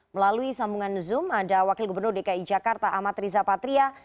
melalui sambungan zoom ada wakil gubernur dki jakarta amat riza patria